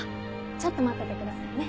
ちょっと待っててくださいね。